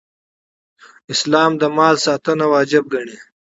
اسلام د مال ساتنه واجب ګڼي